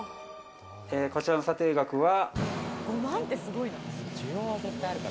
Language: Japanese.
こちらの査定額は。